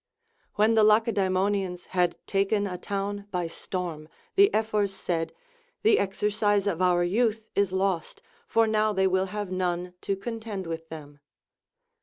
When the Lacedaemonians had taken a town by storm, the Ephors said. The exercise of our youth is lost, for now they will have none to contend with them.